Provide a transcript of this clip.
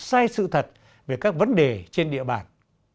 sai sự thật về các vấn đề trên địa bàn